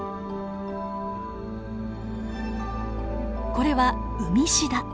これはウミシダ。